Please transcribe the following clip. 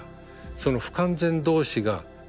その不完全同士が。